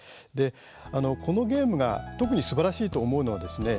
このゲームが特にすばらしいと思うのはですね